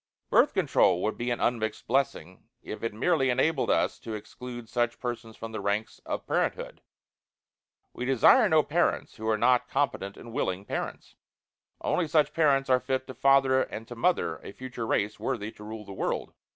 Birth Control would be an unmixed blessing if it merely enabled us to exclude such persons from the ranks of parenthood. We desire no parents who are not competent and willing parents. Only such parents are fit to father and to mother a future race worthy to rule the world.